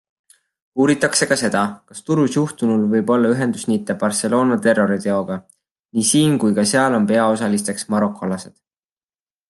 Uuritakse ka seda, kas Turus juhtunul võib olla ühendusniite Barcelona terroriteoga - nii siin kui ka seal on peaosalisteks marokolased.